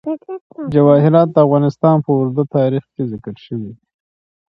جواهرات د افغانستان په اوږده تاریخ کې ذکر شوی دی.